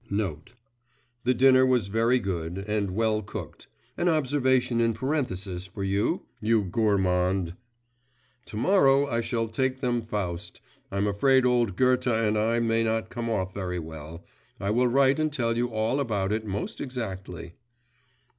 N.B. The dinner was very good and well cooked, an observation in parenthesis for you, you gourmand! To morrow I shall take them Faust. I'm afraid old Goethe and I may not come off very well. I will write and tell you all about it most exactly.